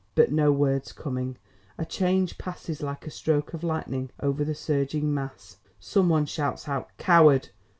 But no words coming, a change passes like a stroke of lightning over the surging mass. Some one shouts out COWARD!